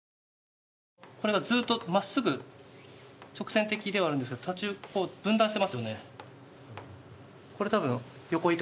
これがずっとまっすぐ、直線的ではあるんですが、途中、分断していますよね。